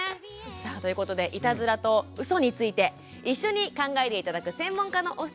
さあということでいたずらとうそについて一緒に考えて頂く専門家のお二人にご登場頂きましょう。